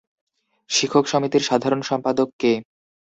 শিক্ষক সমিতির সাধারণ সম্পাদক কে?